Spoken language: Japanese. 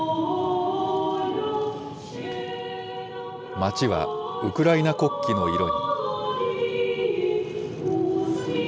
街はウクライナ国旗の色に。